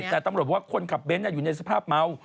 แต่ตำรวจว่าคนขับเน้นอยู่ในสภาพเมา